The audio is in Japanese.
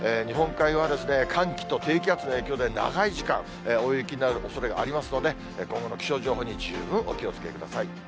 日本海側、寒気と低気圧の影響で長い時間、大雪になるおそれがありますので、今後の気象情報に十分お気をつけください。